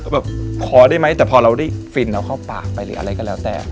แบบขอได้ไหมแต่พอเราได้ฟินเอาเข้าปากไปหรืออะไรก็แล้วแต่